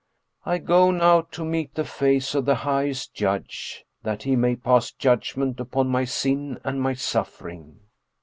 " I go now to meet the face of the Highest Judge, that he may pass judgment upon my sin and my suffering.